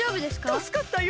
たすかったよ